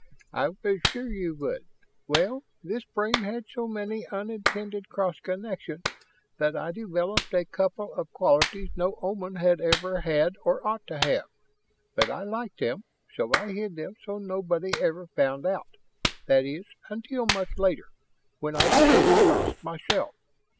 "I was sure you would. Well, this brain had so many unintended cross connections that I developed a couple of qualities no Oman had ever had or ought to have. But I liked them, so I hid them so nobody ever found out that is, until much later, when I became a Boss myself.